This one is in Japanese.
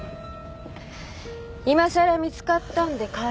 いまさら見つかったんで「帰ります」